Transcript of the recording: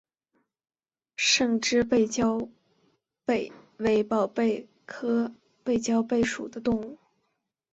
胜枝背焦贝为宝贝科背焦贝属的动物。